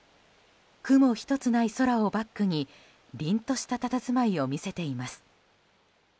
雲１つない空をバックに凛としたたたずまいを見せています。